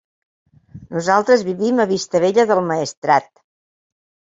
Nosaltres vivim a Vistabella del Maestrat.